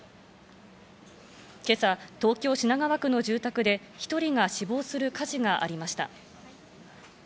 今朝、東京・品川区の住宅で１人が死亡する火事がありました。